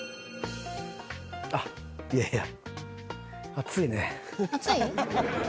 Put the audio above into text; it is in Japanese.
あっいやいや。